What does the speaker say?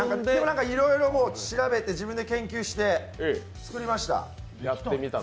いろいろ調べて自分で研究して作りました。